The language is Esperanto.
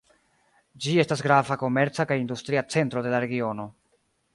Ĝi estas grava komerca kaj industria centro de la regiono.